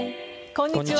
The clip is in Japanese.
こんにちは。